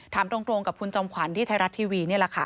ถามตรงกับคุณจอมขวัญที่ไทยรัฐทีวีนี่แหละค่ะ